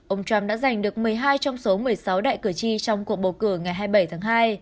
ông trump đã giành được một mươi hai trong số một mươi sáu đại cử tri trong cuộc bầu cử ngày hai mươi bảy tháng hai